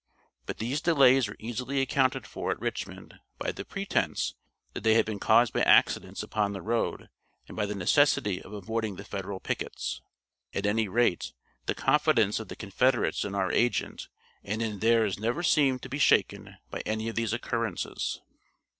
But these delays were easily accounted for at Richmond by the pretense that they had been caused by accidents upon the road and by the necessity of avoiding the Federal pickets. At any rate, the confidence of the Confederates in our agent and in theirs never seemed to be shaken by any of these occurrences.